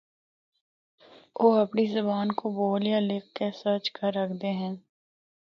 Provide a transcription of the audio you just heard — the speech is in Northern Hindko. او اپنڑی زبان کو بول یا لکھ کے سرچ کر ہکدے ہن۔